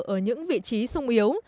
ở những vị trí sông yếu